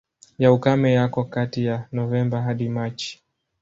Ya ukame yako kati ya Novemba hadi Machi.